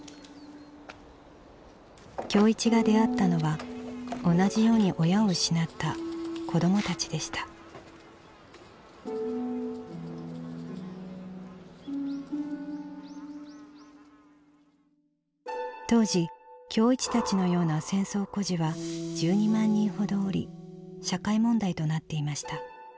今日一が出会ったのは同じように親を失った子どもたちでした当時今日一たちのような戦争孤児は１２万人ほどおり社会問題となっていました。